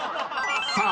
［さあ